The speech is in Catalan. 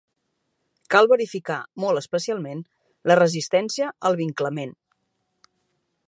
Cal verificar, molt especialment, la resistència al vinclament.